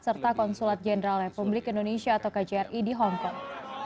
serta konsulat jenderal republik indonesia atau kjri di hongkong